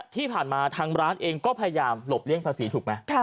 ที่ผ่านมาทางร้านเองก็พยายามหลบเลี่ยงภาษีถูกไหม